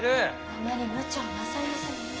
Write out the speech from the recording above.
あまりむちゃをなさいませぬよう。